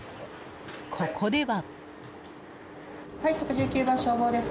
ここでは。